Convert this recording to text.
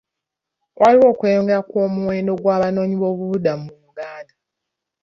Waliyo okweyongera kw'omuwendo gw'Abanoonyi boobubudamu mu Uganda.